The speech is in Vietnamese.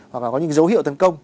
hoặc là có những dấu hiệu tấn công